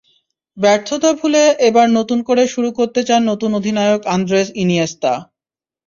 ব্যর্থতা ভুলে এবার নতুন করে শুরু করতে চান নতুন অধিনায়ক আন্দ্রেস ইনিয়েস্তা।